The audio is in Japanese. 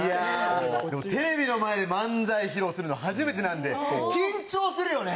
テレビの前で漫才披露するの初めてなんで緊張するよね。